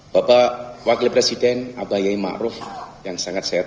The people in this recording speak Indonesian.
bapak wakil presiden abah yai ma ruf yang sangat saya tawarkan